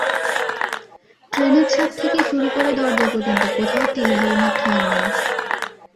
ট্রেনের ছাদ থেকে শুরু করে দরজা পর্যন্ত কোথাও তিলধারণের ঠাঁই নেই।